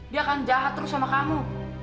dia akan jahat terus sama kamu